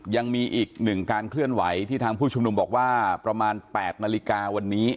ยังมีอีกหนึ่งการเคลื่อนไหวที่ทางผู้ชุมนุมบอกว่าประมาณ๘นาฬิกาวันนี้